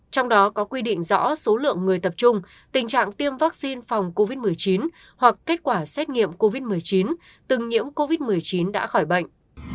trong đó có quy định rõ số lượng người tập trung tình trạng tiêm vaccine phòng covid một mươi chín hoặc kết quả xét nghiệm covid một mươi chín từng nhiễm covid một mươi chín đã khỏi bệnh